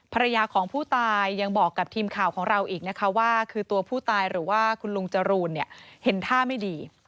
ภรรยาของผู้ตายยังบอกกับทีมข่าวของเราอีกนะคะว่าคือตัวผู้ตายหรือว่าคุณลุงจรูนเนี่ยเห็นท่าไม่ดี